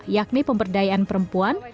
yakni pemberdayaan perempuan